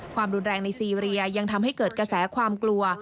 ความรุนแรงในซีเรียยังทำให้เกิดกระแสความกลัว